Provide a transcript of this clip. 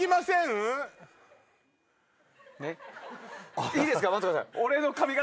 ねっいいですか？